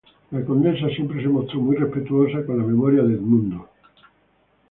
La condesa siempre se mostró muy respetuosa con la memoria de Edmundo.